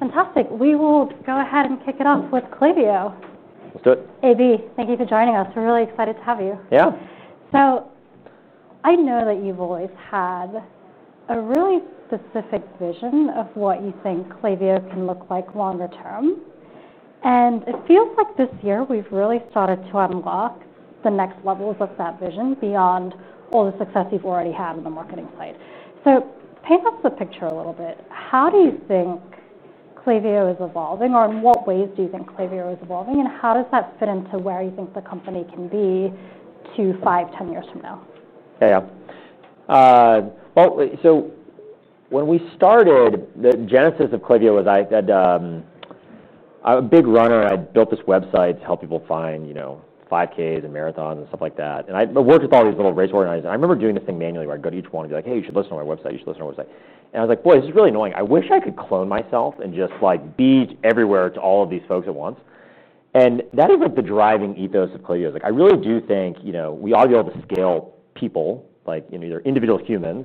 All right. Fantastic. We will go ahead and kick it off with Klaviyo. Hey, Abe. Thank you for joining us. We're really excited to have you. Yeah. I know that you've always had a really specific vision of what you think Klaviyo can look like longer term. It feels like this year we've really started to unlock the next levels of that vision beyond all the success you've already had in the marketing side. Paint us a picture a little bit. How do you think Klaviyo is evolving, or in what ways do you think Klaviyo is evolving, and how does that fit into where you think the company can be 2, 5, 10 years from now? Yeah, yeah. When we started, the genesis of Klaviyo was I had, I'm a big runner, and I built this website to help people find, you know, 5Ks and marathons and stuff like that. I worked with all these little race organizers. I remember doing this thing manually where I'd go to each one and be like, hey, you should listen to my website. You should listen to my website. I was like, boy, this is really annoying. I wish I could clone myself and just, like, be everywhere to all of these folks at once. That is, like, the driving ethos of Klaviyo. I really do think we ought to be able to scale people, like, you know, either individual humans,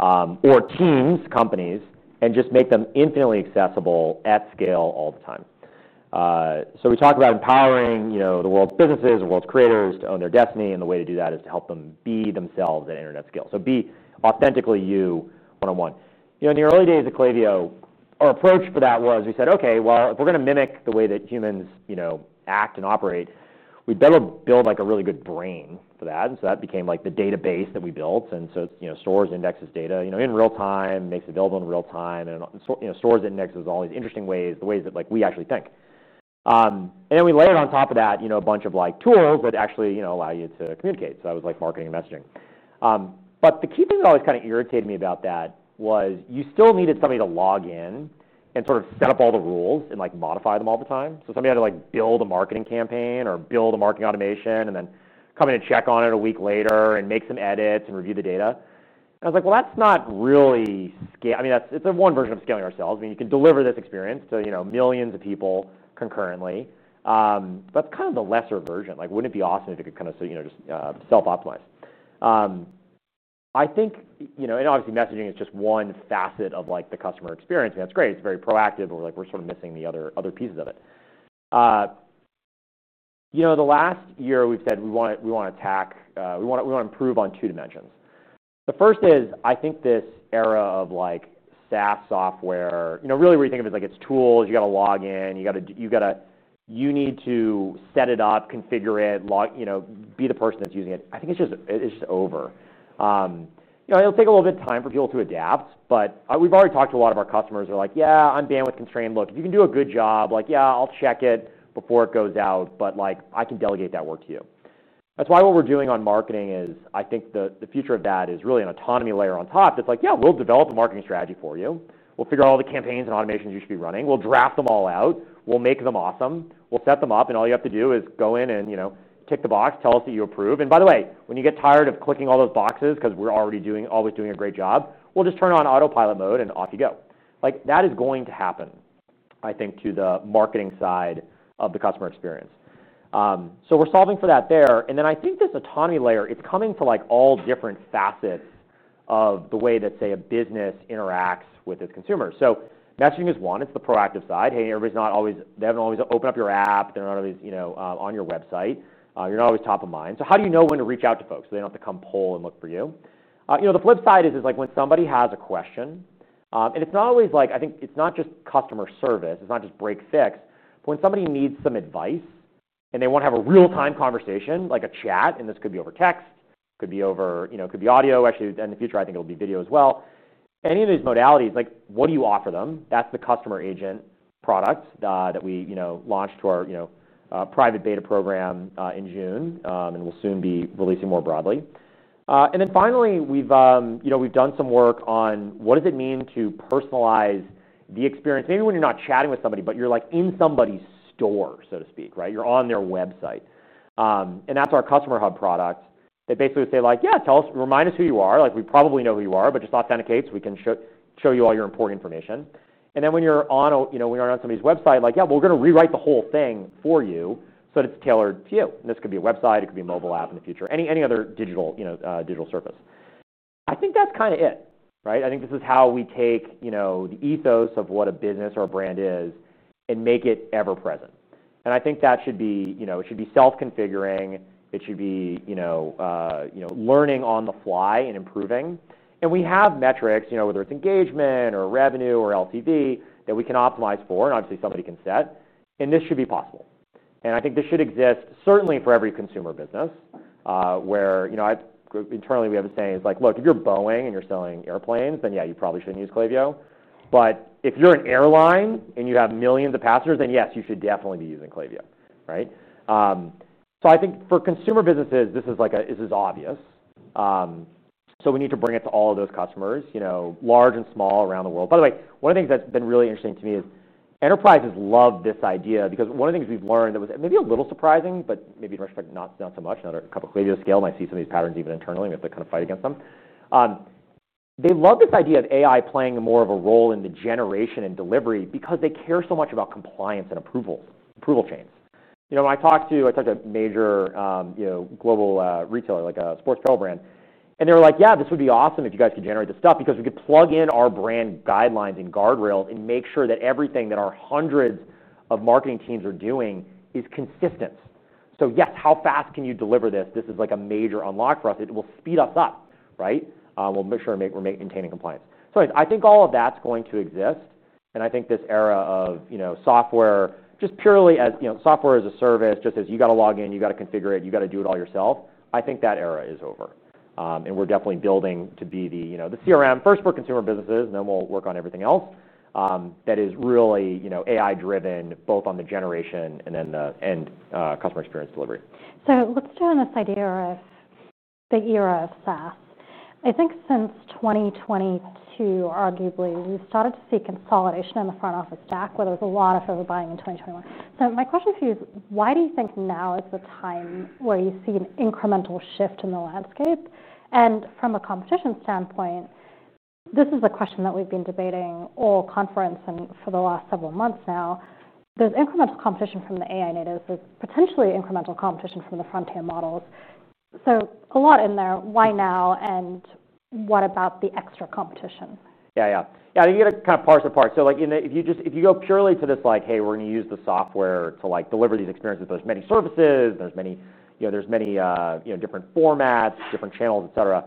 or teams, companies, and just make them infinitely accessible at scale all the time. We talk about empowering, you know, the world's businesses, the world's creators to own their destiny, and the way to do that is to help them be themselves at internet scale. Be authentically you one-on-one. In the early days of Klaviyo, our approach for that was we said, okay, if we're going to mimic the way that humans, you know, act and operate, we'd better build, like, a really good brain for that. That became, like, the database that we built. It's, you know, stores, indexes, data, you know, in real time, makes it available in real time, and, you know, stores, indexes, all these interesting ways, the ways that, like, we actually think. Then we layered on top of that, you know, a bunch of, like, tools that actually, you know, allow you to communicate. That was, like, marketing and messaging. The key thing that always kinda irritated me about that was you still needed somebody to log in and sort of set up all the rules and, like, modify them all the time. Somebody had to, like, build a marketing campaign or build a marketing automation and then come in and check on it a week later and make some edits and review the data. I was like, that's not really scale. I mean, it's a one version of scaling ourselves. You can deliver this experience to, you know, millions of people concurrently. It's kind of the lesser version. Wouldn't it be awesome if it could kind of, you know, just self-optimize? I think, you know, and obviously, messaging is just one facet of, like, the customer experience. I mean, that's great. It's very proactive, but, like, we're sort of missing the other pieces of it. You know, the last year we've said we want to attack, we want to improve on two dimensions. The first is I think this era of, like, SaaS software, you know, really where you think of it as, like, it's tools, you have to log in, you have to set it up, configure it, log, you know, be the person that's using it. I think it's just over. You know, it'll take a little bit of time for people to adapt, but we've already talked to a lot of our customers who are like, yeah, I'm bandwidth constrained. Look, if you can do a good job, like, yeah, I'll check it before it goes out, but, like, I can delegate that work to you. That's why what we're doing on marketing is I think the future of that is really an autonomy layer on top that's like, yeah, we'll develop a marketing strategy for you. We'll figure out all the campaigns and automations you should be running. We'll draft them all out. We'll make them awesome. We'll set them up, and all you have to do is go in and, you know, tick the box, tell us that you approve. By the way, when you get tired of clicking all those boxes because we're already always doing a great job, we'll just turn on autopilot mode and off you go. That is going to happen, I think, to the marketing side of the customer experience. We are solving for that there. I think this autonomy layer, it's coming for all different facets of the way that, say, a business interacts with its consumers. Messaging is one. It's the proactive side. Hey, everybody's not always, they haven't always opened up your app. They're not always, you know, on your website. You're not always top of mind. How do you know when to reach out to folks so they don't have to come pull and look for you? You know, the flip side is, like, when somebody has a question, and it's not always, like, I think it's not just customer service. It's not just break-fix. When somebody needs some advice and they want to have a real-time conversation, like a chat, and this could be over text, could be over, you know, could be audio. Actually, in the future, I think it'll be video as well. Any of these modalities, like, what do you offer them? That's the Klaviyo Customer Agent product that we launched to our private beta program in June, and we'll soon be releasing more broadly. Finally, we've done some work on what does it mean to personalize the experience? Maybe when you're not chatting with somebody, but you're, like, in somebody's store, so to speak. Right? You're on their website, and that's our Customer Hub product. It basically would say, like, yeah, tell us, remind us who you are. Like, we probably know who you are, but just authenticate so we can show you all your important information. When you're on a, you know, when you're on somebody's website, like, yeah, we're going to rewrite the whole thing for you so that it's tailored to you. This could be a website. It could be a mobile app in the future, any other digital, you know, digital service. I think that's kind of it. I think this is how we take, you know, the ethos of what a business or a brand is and make it ever present. I think that should be, you know, it should be self-configuring. It should be, you know, learning on the fly and improving. We have metrics, you know, whether it's engagement or revenue or LTV that we can optimize for, and obviously, somebody can set. This should be possible. I think this should exist certainly for every consumer business, where, you know, internally, we have a saying. It's like, look, if you're Boeing and you're selling airplanes, then yeah, you probably shouldn't use Klaviyo. If you're an airline and you have millions of passengers, then yes, you should definitely be using Klaviyo. For consumer businesses, this is obvious. We need to bring it to all of those customers, you know, large and small around the world. By the way, one of the things that's been really interesting to me is enterprises love this idea because one of the things we've learned that was maybe a little surprising, but maybe much like not so much. Another couple Klaviyo scale might see some of these patterns even internally. We have to kind of fight against them. They love this idea of AI playing more of a role in the generation and delivery because they care so much about compliance and approval chains. When I talked to a major, you know, global retailer like a sports apparel brand, they were like, yeah, this would be awesome if you guys could generate this stuff because we could plug in our brand guidelines and guardrails and make sure that everything that our hundreds of marketing teams are doing is consistent. Yes, how fast can you deliver this? This is a major unlock for us. It will speed us up. Right? We'll make sure we're maintaining compliance. I think all of that's going to exist. I think this era of software just purely as software as a service, just as you gotta log in, you gotta configure it, you gotta do it all yourself, I think that era is over. We're definitely building to be the CRM first for consumer businesses, and then we'll work on everything else that is really AI-driven both on the generation and then the end customer experience delivery. Let's do it on this idea of the era of SaaS. I think since 2022, arguably, we've started to see consolidation in the front office stack where there was a lot of overbuying in 2021. My question for you is, why do you think now is the time where you see an incremental shift in the landscape? From a competition standpoint, this is a question that we've been debating all conference and for the last several months now. There's incremental competition from the AI-native competition. There's potentially incremental competition from the front end models. A lot in there. Why now? What about the extra competition? Yeah. You gotta kinda parse apart. If you just go purely to this, like, hey, we're going to use the software to deliver these experiences, there's many services, there's many different formats, different channels, etcetera.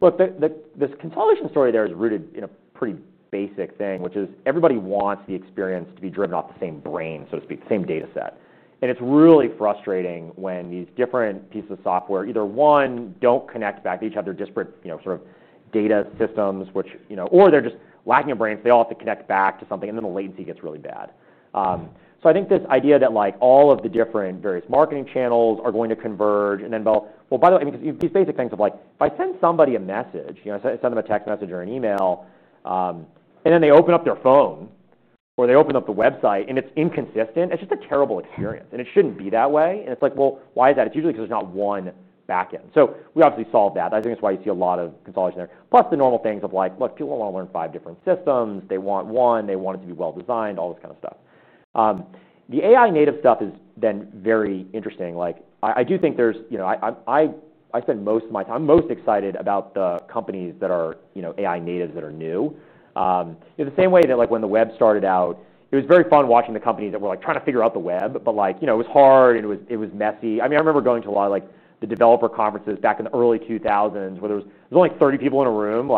Look, this consolidation story is rooted in a pretty basic thing, which is everybody wants the experience to be driven off the same brain, so to speak, the same data set. It's really frustrating when these different pieces of software either, one, don't connect back to each other—disparate data systems—or they're just lacking a brain. They all have to connect back to something, and then the latency gets really bad. I think this idea that all of the different various marketing channels are going to converge, and then they'll—by the way, because these basic things of, like, if I send somebody a message, I send them a text message or an email, and then they open up their phone or they open up the website and it's inconsistent, it's just a terrible experience. It shouldn't be that way. Why is that? It's usually because there's not one back end. We obviously solved that. I think it's why you see a lot of consolidation there, plus the normal things of, like, people don't wanna learn five different systems. They want one. They want it to be well designed, all this kind of stuff. The AI-native stuff is then very interesting. I do think there's—I spend most of my time, I'm most excited about the companies that are AI-natives that are new. The same way that when the web started out, it was very fun watching the companies that were trying to figure out the web, but it was hard and it was messy. I remember going to a lot of the developer conferences back in the early 2000s where there was only, like, 30 people in a room,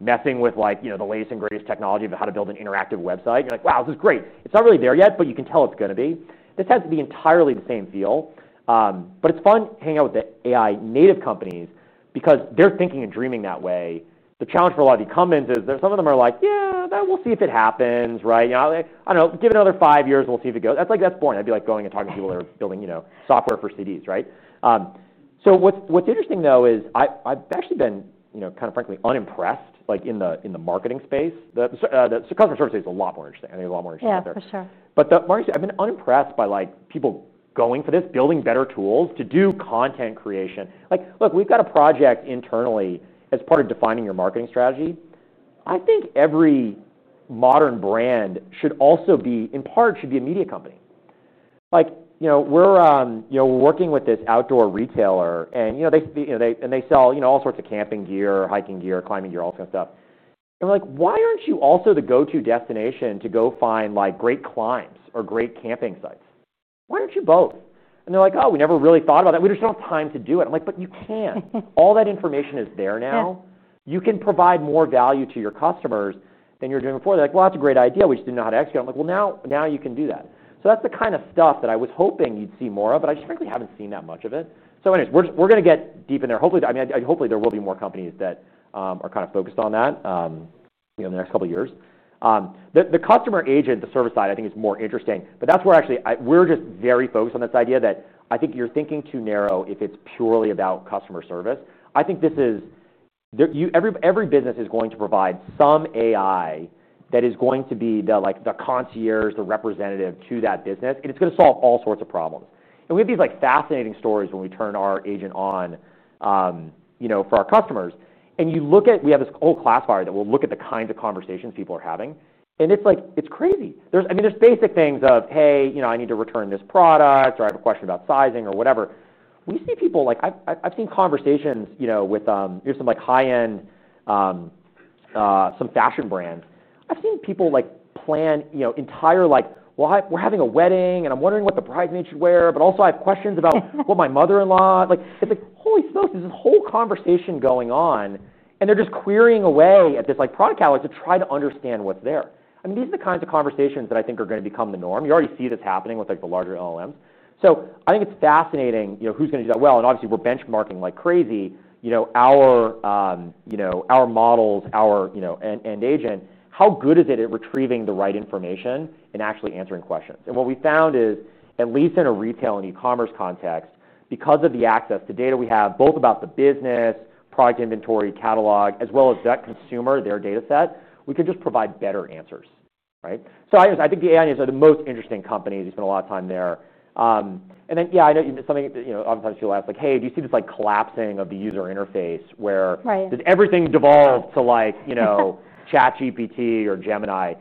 messing with the latest and greatest technology of how to build an interactive website. You're like, wow, this is great. It's not really there yet, but you can tell it's going to be. This has to be entirely the same feel. It's fun hanging out with the AI-native companies because they're thinking and dreaming that way. The challenge for a lot of the incumbents is there's some of them are like, yeah, we'll see if it happens, right? You know, I don't know. Give it another 5 years. We'll see if it goes. That's boring. I'd be like going and talking to people that are building, you know, software for CDs, right? What's interesting, though, is I've actually been, you know, kind of frankly unimpressed, like, in the marketing space. The customer service space is a lot more interesting. I think it's a lot more interesting. Yeah, for sure. The marketing, I've been unimpressed by, like, people going for this, building better tools to do content creation. Look, we've got a project internally as part of defining your marketing strategy. I think every modern brand should also be, in part, should be a media company. Like, you know, we're working with this outdoor retailer, and, you know, they sell all sorts of camping gear, hiking gear, climbing gear, all kind of stuff. We're like, why aren't you also the go-to destination to go find, like, great climbs or great camping sites? Why aren't you both? They're like, oh, we never really thought about that. We just don't have time to do it. I'm like, but you can. All that information is there now. You can provide more value to your customers than you were doing before. They're like, that's a great idea. We just didn't know how to execute. I'm like, now you can do that. That's the kind of stuff that I was hoping you'd see more of, but I just frankly haven't seen that much of it. We're going to get deep in there. Hopefully, there will be more companies that are kind of focused on that in the next couple of years. The customer agent, the service side, I think, is more interesting. That's where actually we're just very focused on this idea that I think you're thinking too narrow if it's purely about customer service. I think every business is going to provide some AI that is going to be the concierge, the representative to that business, and it's going to solve all sorts of problems. We have these fascinating stories when we turn our agent on for our customers. We have this whole classifier that will look at the kinds of conversations people are having. It's crazy. There are basic things of, hey, I need to return this product, or I have a question about sizing or whatever. When you see people, I've seen conversations with some high-end, some fashion brands. I've seen people plan entire, like, we're having a wedding, and I'm wondering what the bridesmaids should wear, but also, I have questions about what my mother-in-law likes. It's like, holy smokes. There's this whole conversation going on, and they're just querying away at this product catalog to try to understand what's there. These are the kinds of conversations that I think are going to become the norm. You already see this happening with the larger LLM. I think it's fascinating who is going to do that well. Obviously, we're benchmarking like crazy, our models, our end agent. How good is it at retrieving the right information and actually answering questions? What we found is, at least in a retail and e-commerce context, because of the access to data we have, both about the business, product inventory, catalog, as well as that consumer, their data set, we can just provide better answers. I think the AI natives are the most interesting companies. We spend a lot of time there. Oftentimes people ask, like, hey, do you see this collapsing of the user interface where does everything devolve to, like, you know, ChatGPT or Gemini?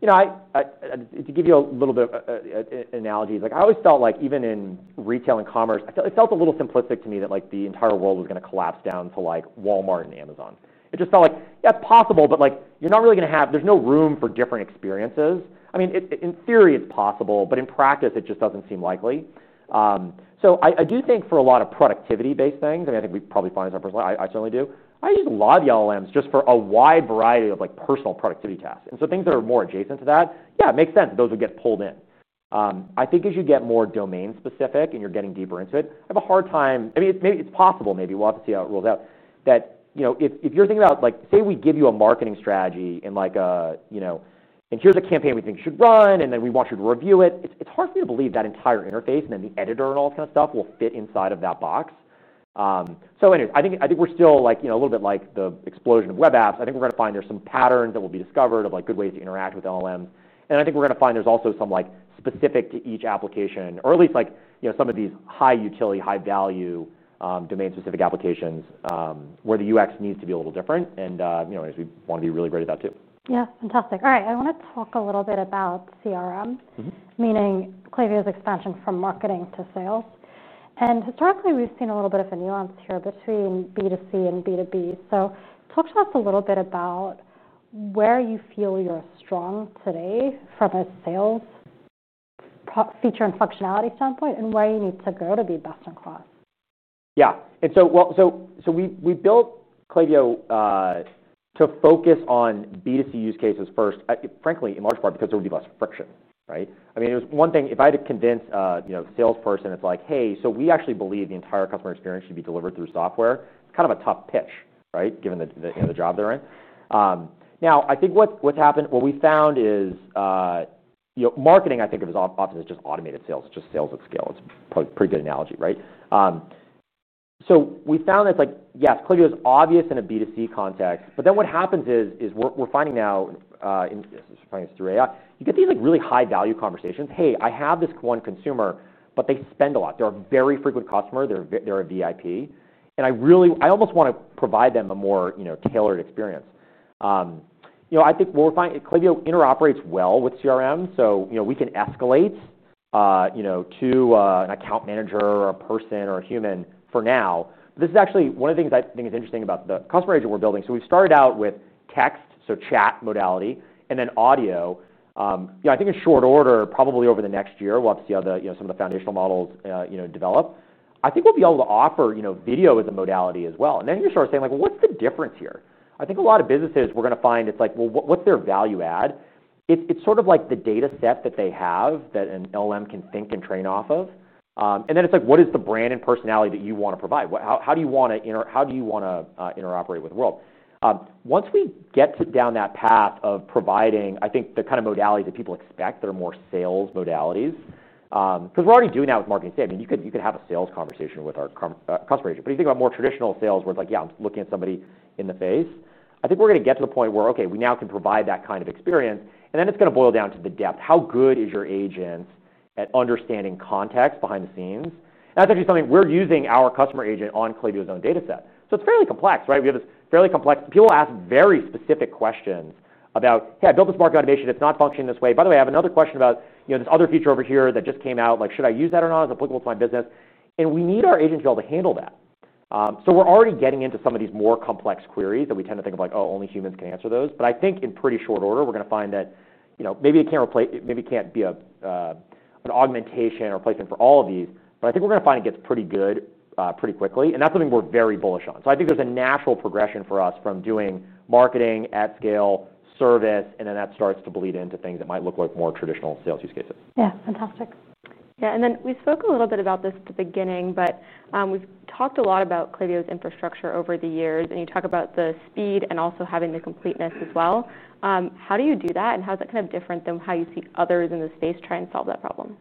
To give you a little bit of an analogy, I always felt like even in retail and commerce, it felt a little simplistic to me that the entire world was going to collapse down to Walmart and Amazon. It just felt like, yeah, it's possible, but you're not really going to have, there's no room for different experiences. In theory, it's possible, but in practice, it just doesn't seem likely. I do think for a lot of productivity-based things, I think we probably find ourselves, I certainly do. I just love the LLMs for a wide variety of personal productivity tasks, and things that are more adjacent to that, it makes sense those would get pulled in. I think as you get more domain specific and you're getting deeper into it, I have a hard time. Maybe it's possible. Maybe we'll have to see how it rolls out that, if you're thinking about, say we give you a marketing strategy and here's a campaign we think should run, and then we want you to review it. It's hard for me to believe that entire interface and then the editor and all this kind of stuff will fit inside of that box. I think we're still a little bit like the explosion of web apps. I think we're going to find there's some patterns that will be discovered of good ways to interact with LLM. I think we're going to find there's also some specific to each application, or at least some of these high utility, high value, domain specific applications, where the UX needs to be a little different. As we want to be really great at that too. Yeah. Fantastic. All right. I wanna talk a little bit about CRM. Mhmm. Klaviyo's expansion from marketing to sales is significant. Historically, we've seen a little bit of a nuance here between B2C and B2B. Talk to us a little bit about where you feel you're strong today from a sales feature and functionality standpoint and where you need to go to be best in class. Yeah. We built Klaviyo to focus on B2C use cases first, frankly, in large part because there would be less friction. Right? I mean, it was one thing if I had to convince a, you know, salesperson, it's like, hey, we actually believe the entire customer experience should be delivered through software. Kind of a tough pitch. Right? Given the, you know, the job they're in. I think what's happened, what we found is, you know, marketing, I think, is often just automated sales. It's just sales at scale. It's probably a pretty good analogy. Right? We found that it's like, yes, Klaviyo is obvious in a B2C context. What happens is we're finding now, and this is probably through AI, you get these really high value conversations. Hey, I have this one consumer, but they spend a lot. They're a very frequent customer. They're a VIP. I really almost want to provide them a more tailored experience. I think what we're finding, Klaviyo interoperates well with CRM. We can escalate to an account manager or a person or a human for now. This is actually one of the things I think is interesting about the Customer Agent we're building. We started out with text, so chat modality, and then audio. I think in short order, probably over the next year, we'll have to see how some of the foundational models develop. I think we'll be able to offer video as a modality as well. You start saying, like, what's the difference here? I think a lot of businesses are going to find it's like, what's their value add? It's sort of like the data set that they have that an LLM can think and train off of. Then it's like, what is the brand and personality that you want to provide? How do you want to interoperate with the world? Once we get down that path of providing, I think, the kind of modality that people expect, they're more sales modalities because we're already doing that with marketing and sales. I mean, you could have a sales conversation with our Customer Agent. You think about more traditional sales where it's like, yeah, I'm looking at somebody in the face. I think we're going to get to the point where, okay, we now can provide that kind of experience. It's going to boil down to the depth. How good is your agent at understanding context behind the scenes? That's actually something we're using our Customer Agent on Klaviyo's own data set. It's fairly complex, right? We have this fairly complex—people ask very specific questions about, hey, I built this marketing automation. It's not functioning this way. By the way, I have another question about, you know, this other feature over here that just came out. Like, should I use that or not? Is it applicable to my business? We need our agents to be able to handle that. We're already getting into some of these more complex queries that we tend to think of like, oh, only humans can answer those. I think in pretty short order, we're going to find that, you know, maybe it can't replace—maybe it can't be an augmentation or replacement for all of these. I think we're going to find it gets pretty good, pretty quickly. That's something we're very bullish on. I think there's a natural progression for us from doing marketing at scale service, and then that starts to bleed into things that might look like more traditional sales use cases. Yeah. Fantastic. We spoke a little bit about this at the beginning, but we've talked a lot about Klaviyo's infrastructure over the years. You talk about the speed and also having the completeness as well. How do you do that? How is that kind of different than how you see others in the space trying to solve that problem?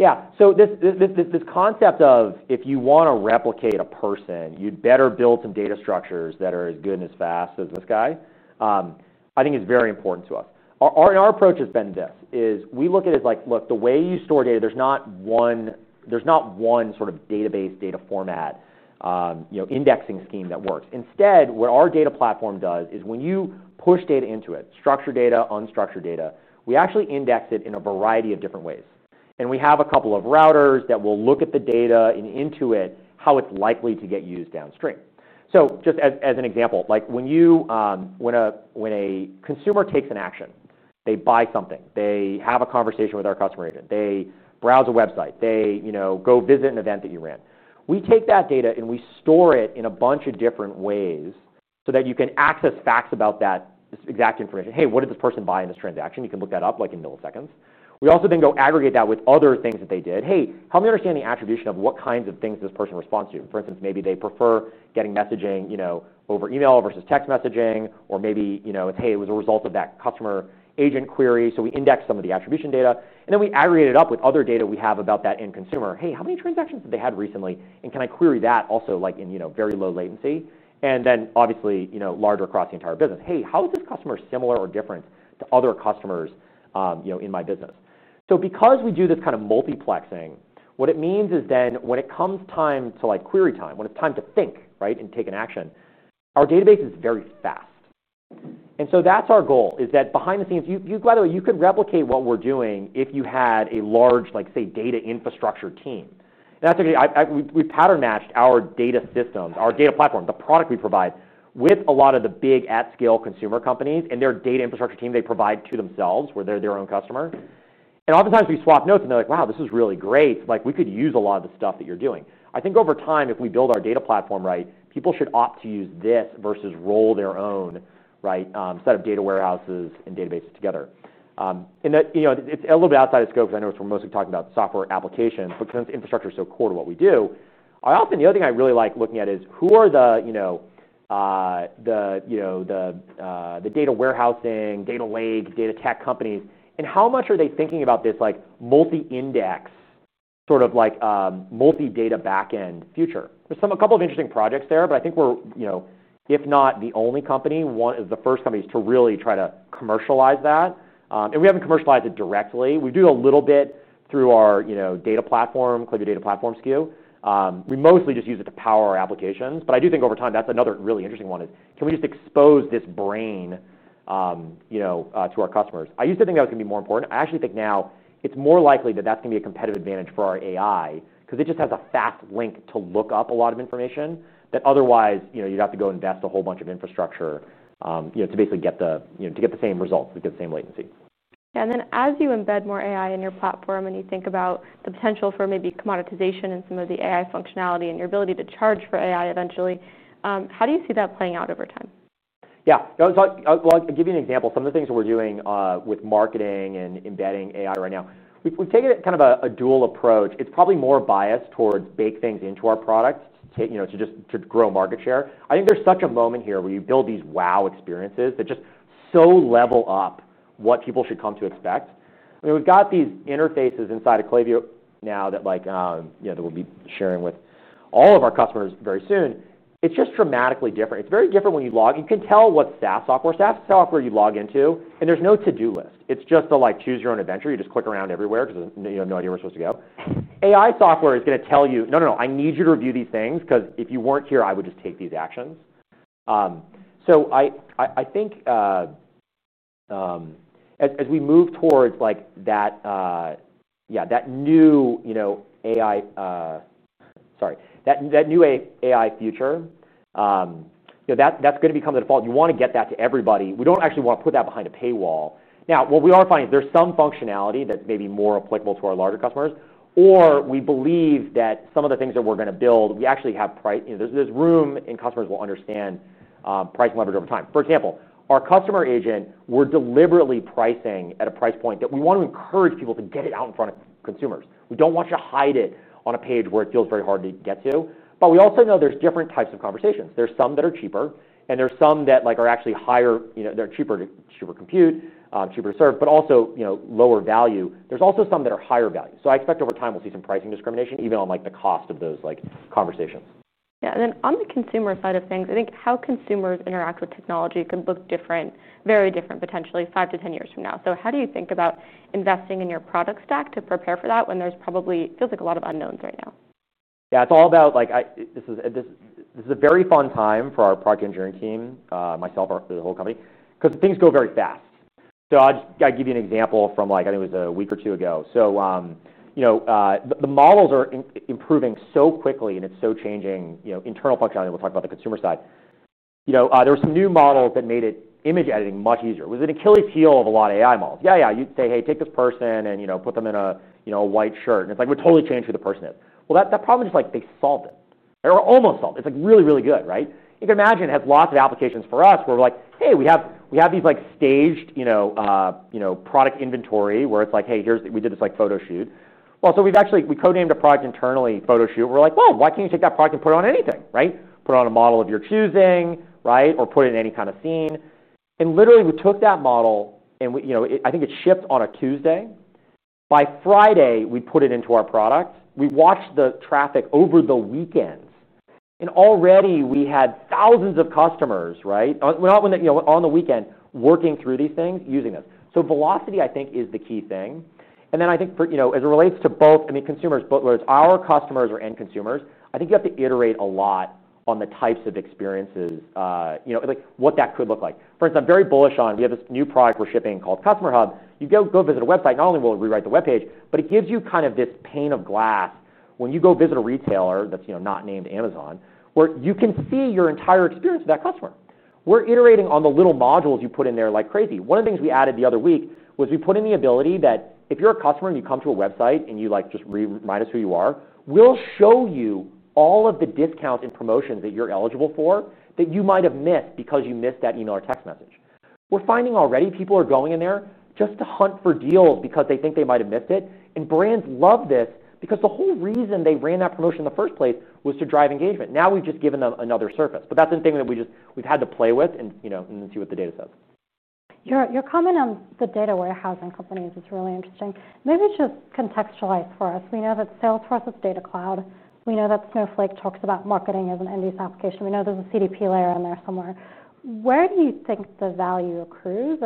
Yeah. This concept of if you want to replicate a person, you'd better build some data structures that are as good and as fast as this guy. I think it's very important to us. Our approach has been this: we look at it as, like, look, the way you store data, there's not one sort of database, data format, you know, indexing scheme that works. Instead, what our data platform does is when you push data into it, structured data, unstructured data, we actually index it in a variety of different ways. We have a couple of routers that will look at the data and intuit how it's likely to get used downstream. Just as an example, when a consumer takes an action, they buy something, they have a conversation with our Customer Agent, they browse a website, they go visit an event that you ran. We take that data and we store it in a bunch of different ways so that you can access facts about that exact information. Hey, what did this person buy in this transaction? You can look that up in milliseconds. We also then go aggregate that with other things that they did. Hey, help me understand the attribution of what kinds of things this person responds to. For instance, maybe they prefer getting messaging over email versus text messaging, or maybe it's, hey, it was a result of that Customer Agent query. We index some of the attribution data. Then we aggregate it up with other data we have about that end consumer. Hey, how many transactions have they had recently? Can I query that also in very low latency? Obviously, larger across the entire business. Hey, how is this customer similar or different to other customers in my business? Because we do this kind of multiplexing, what it means is when it comes to query time, when it's time to think and take an action, our database is very fast. That's our goal, that behind the scenes, you could replicate what we're doing if you had a large, say, data infrastructure team. That's a good idea. We've pattern matched our data systems, our data platform, the product we provide, with a lot of the big at-scale consumer companies and their data infrastructure team they provide to themselves where they're their own customer. Oftentimes, we swap notes and they're like, wow. This is really great. We could use a lot of the stuff that you're doing. I think over time, if we build our data platform right, people should opt to use this versus roll their own set of data warehouses and databases together. That, you know, it's a little bit outside of scope because I know we're mostly talking about software applications, but because infrastructure is so core to what we do, I often really like looking at who are the data warehousing, data lake, data tech companies, and how much are they thinking about this multi-index, sort of multi-data backend future. There are a couple of interesting projects there, but I think we're, if not the only company, one of the first companies to really try to commercialize that. We haven't commercialized it directly. We do a little bit through our data platform, Klaviyo data platform SKU. We mostly just use it to power our applications. I do think over time, that's another really interesting one. Can we just expose this brain to our customers? I used to think that was going to be more important. I actually think now it's more likely that that's going to be a competitive advantage for our AI because it just has a fast link to look up a lot of information that otherwise you'd have to go invest a whole bunch of infrastructure to basically get the same results, to get the same latency. As you embed more AI in your platform and you think about the potential for maybe commoditization and some of the AI functionality and your ability to charge for AI eventually, how do you see that playing out over time? Yeah. That was all, I'll give you an example. Some of the things we're doing with marketing and embedding AI right now. We've taken it kind of a dual approach. It's probably more biased towards baked things into our products to, you know, to just grow market share. I think there's such a moment here where you build these wow experiences that just so level up what people should come to expect. I mean, we've got these interfaces inside of Klaviyo now that, like, you know, that we'll be sharing with all of our customers very soon. It's just dramatically different. It's very different when you log in. You can tell what software you log into, and there's no to-do list. It's just a, like, choose your own adventure. You just click around everywhere because, you know, no idea where you're supposed to go. AI software is going to tell you, no, no, no. I need you to review these things because if you weren't here, I would just take these actions. I think, as we move towards that new AI future, you know, that's going to become the default. You want to get that to everybody. We don't actually want to put that behind a paywall. Now, what we are finding is there's some functionality that's maybe more applicable to our larger customers, or we believe that some of the things that we're going to build, we actually have price, you know, there's room and customers will understand, price and leverage over time. For example, our Customer Agent, we're deliberately pricing at a price point that we want to encourage people to get it out in front of consumers. We don't want you to hide it on a page where it feels very hard to get to. We also know there's different types of conversations. There's some that are cheaper, and there's some that are actually higher, you know, they're cheaper to compute, cheaper to serve, but also, you know, lower value. There's also some that are higher value. I expect over time we'll see some pricing discrimination even on the cost of those conversations. Yeah. On the consumer side of things, I think how consumers interact with technology could look different, very different potentially 5 to 10 years from now. How do you think about investing in your product stack to prepare for that when there probably feels like a lot of unknowns right now? Yeah. It's all about, like, this is a very fun time for our product engineering team, myself, the whole company, because things go very fast. I just gotta give you an example from, like, I think it was a week or two ago. The models are improving so quickly, and it's so changing, you know, internal functionality. We'll talk about the consumer side. There were some new models that made image editing much easier. It was an Achilles heel of a lot of AI models. You'd say, hey, take this person and, you know, put them in a, you know, a white shirt. It's like it would totally change who the person is. That problem is just like they solved it or almost solved it. It's like really, really good. Right? You can imagine it has lots of applications for us where we're like, hey, we have these, like, staged, you know, product inventory where it's like, hey, here's we did this, like, photo shoot. We've actually code named a product internally, photo shoot, where we're like, why can't you take that product and put it on anything? Right? Put it on a model of your choosing. Right? Or put it in any kind of scene. Literally, we took that model, and we, you know, I think it shipped on a Tuesday. By Friday, we put it into our product. We watched the traffic over the weekend. Already, we had thousands of customers. We're not, when the, you know, on the weekend working through these things, using this. Velocity, I think, is the key thing. I think, as it relates to both, I mean, consumers, but whether it's our customers or end consumers, I think you have to iterate a lot on the types of experiences, you know, like, what that could look like. For instance, I'm very bullish on we have this new product we're shipping called Customer Hub. You go visit a website. Not only will it rewrite the web page, but it gives you kind of this pane of glass when you go visit a retailer that's, you know, not named Amazon, where you can see your entire experience with that customer. We're iterating on the little modules you put in there like crazy. One of the things we added the other week was we put in the ability that if you're a customer and you come to a website and you, like, just remind us who you are, we'll show you all of the discounts and promotions that you're eligible for that you might have missed because you missed that email or text message. We're finding already people are going in there just to hunt for deals because they think they might have missed it. Brands love this because the whole reason they ran that promotion in the first place was to drive engagement. We've just given them another surface. That's something that we just had to play with and then see what the data says. Your comment on the data warehousing companies is really interesting. Maybe just contextualize for us. We know that Salesforce is Data Cloud. We know that Snowflake talks about marketing as an end use application. We know there's a CDP layer in there somewhere. Where do you think the value accrues?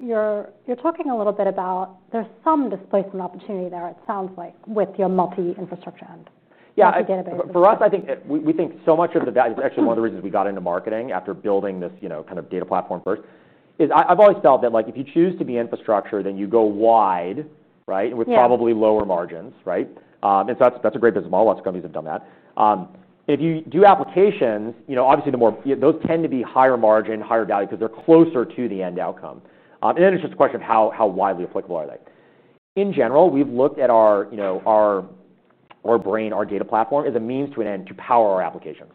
You're talking a little bit about there's some displacement opportunity there, it sounds like, with your multi-infrastructure end. Yeah. The database. For us, I think so much of the value is actually one of the reasons we got into marketing after building this, you know, kind of data platform first. I've always felt that, like, if you choose to be infrastructure, then you go wide, right? Yeah. With probably lower margins, right? That's a great business model. Lots of companies have done that. If you do applications, the more those tend to be higher margin, higher value because they're closer to the end outcome. It's just a question of how widely applicable are they. In general, we've looked at our data platform as a means to an end to power our application.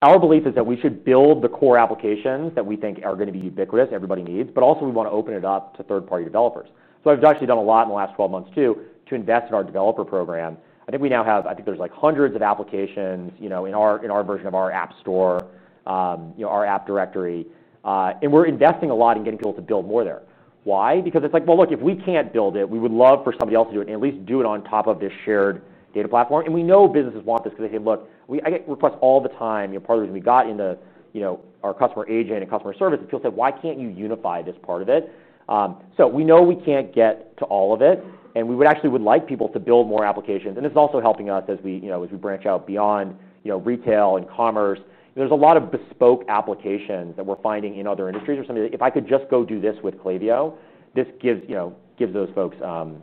Our belief is that we should build the core applications that we think are going to be ubiquitous, everybody needs, but also, we want to open it up to third-party developers. I've actually done a lot in the last 12 months to invest in our developer program. I think we now have, I think there's, like, hundreds of applications in our version of our app store, our app directory, and we're investing a lot in getting people to build more there. Why? Because if we can't build it, we would love for somebody else to do it and at least do it on top of this shared data platform. We know businesses want this because they say, look, I get requests all the time. Part of the reason we got into our Klaviyo Customer Agent and Klaviyo Customer Service is people say, why can't you unify this part of it? We know we can't get to all of it. We would actually like people to build more applications. This is also helping us as we branch out beyond retail and commerce. There are a lot of bespoke applications that we're finding in other industries or something that if I could just go do this with Klaviyo, this gives those folks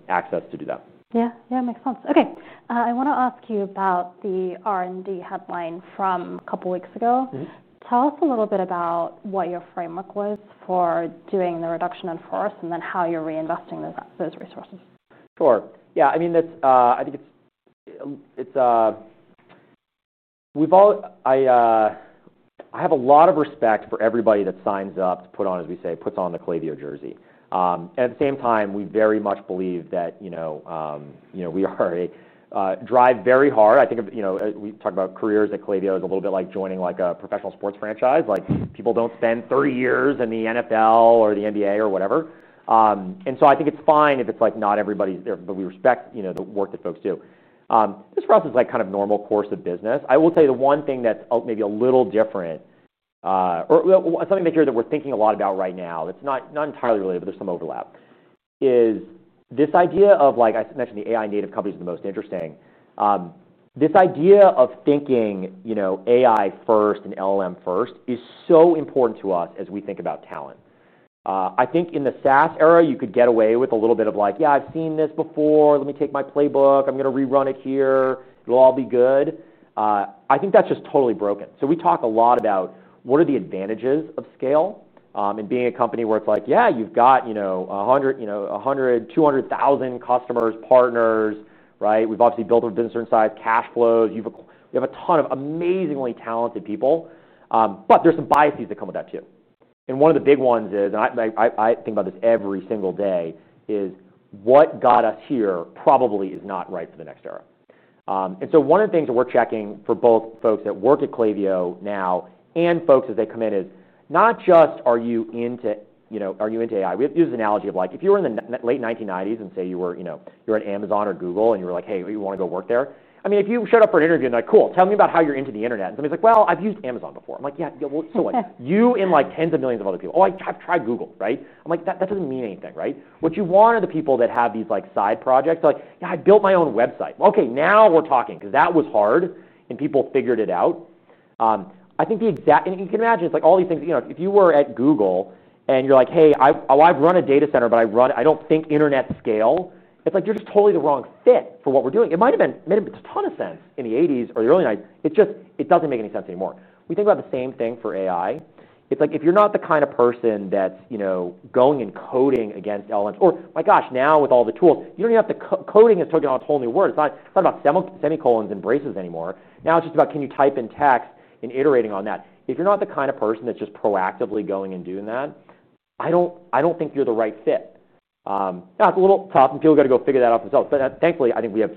access to do that. Yeah. Yeah. Makes sense. Okay, I wanna ask you about the R&D headline from a couple weeks ago. Mhmm. Tell us a little bit about what your framework was for doing the reduction in force, and then how you're reinvesting those resources. Sure. Yeah. I mean, that's, I think it's, we've all, I have a lot of respect for everybody that signs up to put on, as we say, puts on the Klaviyo jersey. At the same time, we very much believe that, you know, we already drive very hard. I think of, you know, we talk about careers at Klaviyo as a little bit like joining a professional sports franchise. People don't spend 30 years in the NFL or the NBA or whatever, and I think it's fine if it's like not everybody's there, but we respect the work that folks do. This for us is kind of normal course of business. I will tell you the one thing that's maybe a little different, or something that we're thinking a lot about right now that's not entirely related, but there's some overlap, is this idea of, like, I mentioned the AI-native companies are the most interesting. This idea of thinking AI first and LLM first is so important to us as we think about talent. I think in the SaaS era, you could get away with a little bit of, like, yeah, I've seen this before. Let me take my playbook. I'm going to rerun it here. It'll all be good. I think that's just totally broken. We talk a lot about what are the advantages of scale, and being a company where it's like, yeah, you've got, you know, 100, 200,000 customers, partners. Right? We've obviously built a business in certain size, cash flows. We have a ton of amazingly talented people, but there's some biases that come with that too. One of the big ones is, and I think about this every single day, is what got us here probably is not right for the next era. One of the things that we're checking for both folks that work at Klaviyo now and folks as they come in is not just are you into, you know, are you into AI? We have to use this analogy of, like, if you were in the late 1990s and say you were, you know, you were at Amazon or Google and you were like, hey, you want to go work there? I mean, if you showed up for an interview and they're like, cool. Tell me about how you're into the internet. Somebody's like, well, I've used Amazon before. I'm like, yeah. Yeah. So, like, you and, like, tens of millions of other people. I'm like, I've tried Google. Right? That doesn't mean anything. What you want are the people that have these side projects. They're like, yeah, I built my own website. Well, okay. Now we're talking because that was hard and people figured it out. I think the exact, and you can imagine, it's like all these things. If you were at Google and you're like, hey, I've run a data center, but I run it. I don't think internet scale. It's like you're just totally the wrong fit for what we're doing. It might have made a ton of sense in the 1980s or the early 1990s. It just doesn't make any sense anymore. We think about the same thing for AI. It's like if you're not the kind of person that's going and coding against LLMs or, my gosh, now with all the tools, you don't even have to. Coding is taking on a whole new world. It's not about semicolons and braces anymore. Now it's just about can you type in text and iterating on that. If you're not the kind of person that's just proactively going and doing that, I don't think you're the right fit. Now it's a little tough and people gotta go figure that out themselves. Thankfully, I think we have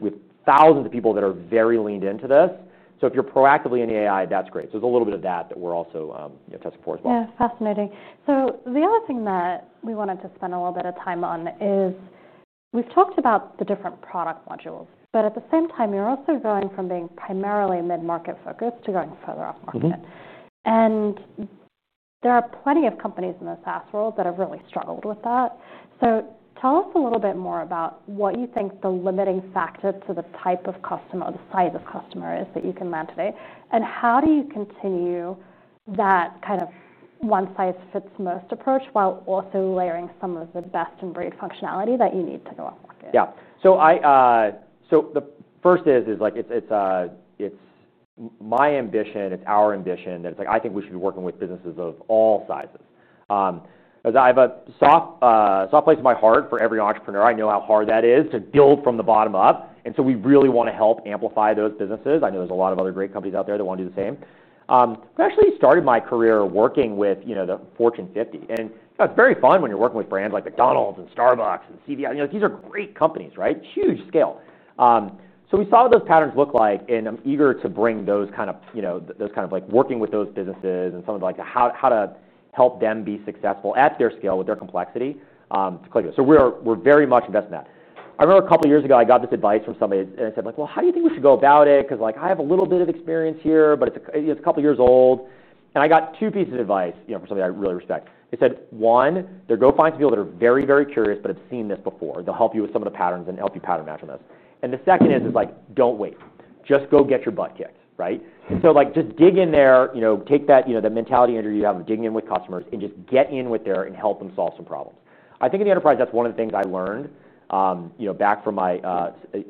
thousands of people that are very leaned into this. If you're proactively in the AI, that's great. There's a little bit of that that we're also testing for as well. Yeah. Fascinating. The other thing that we wanted to spend a little bit of time on is we've talked about the different product modules. At the same time, you're also going from being primarily mid-market focused to going further off market. Mhmm. There are plenty of companies in the SaaS world that have really struggled with that. Tell us a little bit more about what you think the limiting factor to the type of customer or the size of customer is that you can mandate. How do you continue that kind of one size fits most approach while also layering some of the best in brave functionality that you need to go up market? Yeah. The first is, like, it's my ambition. It's our ambition that, like, I think we should be working with businesses of all sizes. I have a soft place in my heart for every entrepreneur. I know how hard that is to build from the bottom up, and we really want to help amplify those businesses. I know there's a lot of other great companies out there that want to do the same. I actually started my career working with the Fortune 50, and it's very fun when you're working with brands like McDonald's and Starbucks and CVS. These are great companies, right? Huge scale. We saw what those patterns look like, and I'm eager to bring those, like, working with those businesses and some of the, like, how to help them be successful at their scale with their complexity, to Klaviyo. We're very much invested in that. I remember a couple years ago, I got this advice from somebody, and I said, like, how do you think we should go about it? I have a little bit of experience here, but it's a couple years old. I got two pieces of advice from somebody I really respect. They said, one, find some people that are very, very curious but have seen this before. They'll help you with some of the patterns and help you pattern match on this. The second is, don't wait. Just go get your butt kicked, right? Just dig in there, take that mentality you have of digging in with customers, and just get in there and help them solve some problems. I think in the enterprise, that's one of the things I learned back from my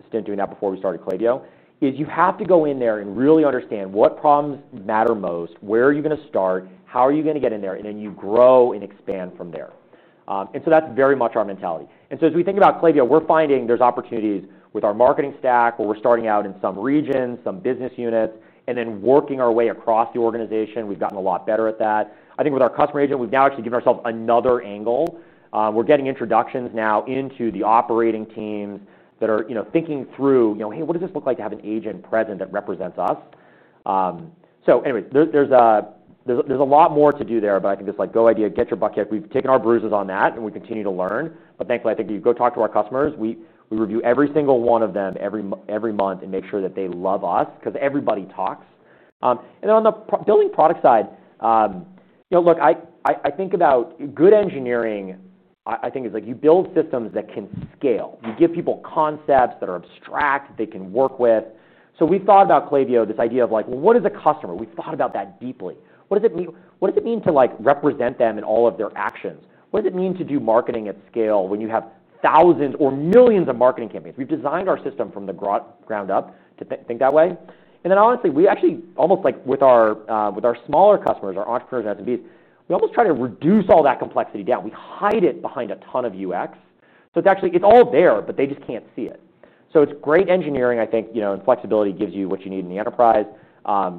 stint doing that before we started Klaviyo. You have to go in there and really understand what problems matter most, where are you going to start, how are you going to get in there, and then you grow and expand from there. That's very much our mentality. As we think about Klaviyo, we're finding there's opportunities with our marketing stack where we're starting out in some regions, some business units, and then working our way across the organization. We've gotten a lot better at that. I think with our Customer Agent, we've now actually given ourselves another angle. We're getting introductions now into the operating teams that are thinking through, you know, hey, what does this look like to have an agent present that represents us? There's a lot more to do there, but I think it's like go idea, get your butt kicked. We've taken our bruises on that, and we continue to learn. Thankfully, I think you go talk to our customers. We review every single one of them every month and make sure that they love us because everybody talks. On the building product side, I think about good engineering. I think it's like you build systems that can scale. You give people concepts that are abstract that they can work with. We've thought about Klaviyo, this idea of, like, well, what is a customer? We've thought about that deeply. What does it mean? What does it mean to represent them in all of their actions? What does it mean to do marketing at scale when you have thousands or millions of marketing campaigns? We've designed our system from the ground up to think that way. Honestly, we actually almost, like, with our smaller customers, our entrepreneurs, SMBs, we almost try to reduce all that complexity down. We hide it behind a ton of UX. It's all there, but they just can't see it. It's great engineering, I think, and flexibility gives you what you need in the enterprise.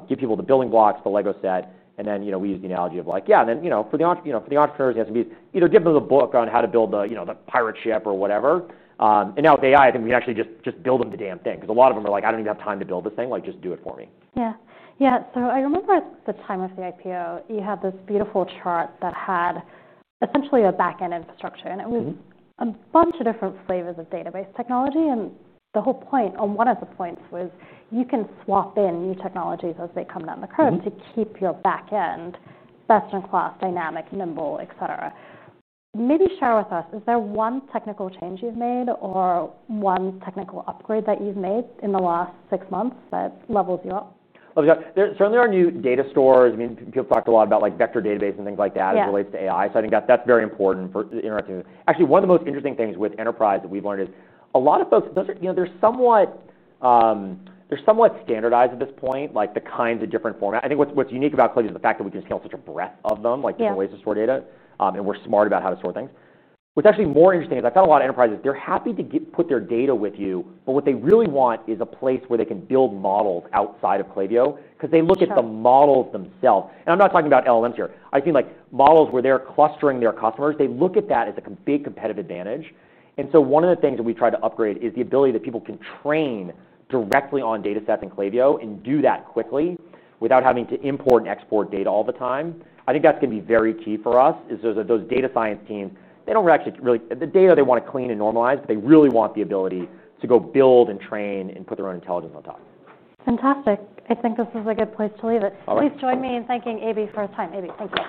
Give people the building blocks, the Lego set. We use the analogy of, like, yeah. For the entrepreneurs, the SMBs, either give them the book on how to build the pirate ship or whatever. Now with AI, I think we can actually just build them the damn thing because a lot of them are like, I don't even have time to build this thing. Just do it for me. Yeah. Yeah. I remember at the time of the IPO, you had this beautiful chart that had essentially a backend infrastructure. Mhmm. It was a bunch of different flavors of database technology. The whole point, or one of the points, was you can swap in new technologies as they come down the curve to keep your backend best in class, dynamic, nimble, etcetera. Maybe share with us, is there one technical change you've made or one technical upgrade that you've made in the last six months that levels you up? Oh, yeah. There certainly are new data stores. I mean, people have talked a lot about, like, vector database and things like that as it relates to AI. I think that that's very important for interacting with. Actually, one of the most interesting things with enterprise that we've learned is a lot of folks, those are, you know, they're somewhat standardized at this point, like, the kinds of different formats. I think what's unique about Klaviyo is the fact that we can scale such a breadth of them, like, different ways to store data. Mhmm. We're smart about how to store things. What's actually more interesting is I've got a lot of enterprises. They're happy to put their data with you, but what they really want is a place where they can build models outside of Klaviyo because they look at the models themselves. I'm not talking about LLMs here. I've seen models where they're clustering their customers. They look at that as a big competitive advantage. One of the things that we've tried to upgrade is the ability for people to train directly on data sets in Klaviyo and do that quickly without having to import and export data all the time. I think that's going to be very key for us. Those data science teams don't actually really want the data they want to clean and normalize, but they really want the ability to go build and train and put their own intelligence on top. Fantastic. I think this is a good place to leave it. Please join me in thanking Abe for his time. Abe, thank you.